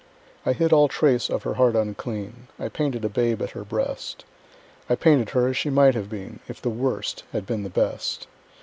I hid all trace of her heart unclean; I painted a babe at her breast; I painted her as she might have been If the Worst had been the Best.